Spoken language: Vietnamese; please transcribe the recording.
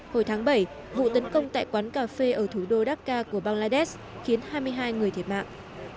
hồi tháng bảy vụ tấn công tại quán cà phê ở thủ đô draca của bangladesh khiến hai mươi hai người thiệt mạng